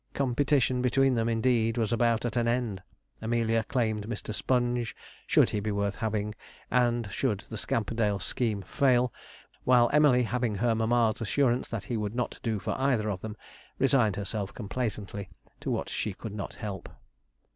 Competition between them, indeed, was about an end. Amelia claimed Mr. Sponge, should he be worth having, and should the Scamperdale scheme fail; while Emily, having her mamma's assurance that he would not do for either of them, resigned herself complacently to what she could not help.